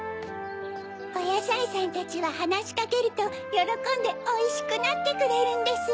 おやさいさんたちははなしかけるとよろこんでおいしくなってくれるんです。